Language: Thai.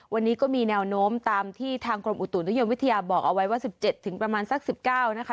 วันนี้ก็มีแนวโน้มตามที่ทางกรมอุตุนิยมวิทยาบอกเอาไว้ว่า๑๗ถึงประมาณสัก๑๙นะคะ